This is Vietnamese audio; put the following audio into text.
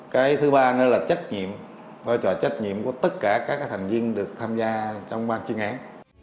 cái thứ ba nữa là trách nhiệm vai trò trách nhiệm của tất cả các thành viên được tham gia trong ban chuyên án